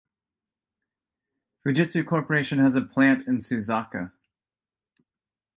Fujitsu Corporation has a plant in Suzaka.